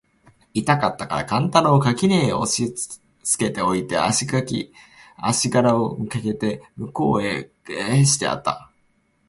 痛かつたから勘太郎を垣根へ押しつけて置いて、足搦あしがらをかけて向へ斃してやつた。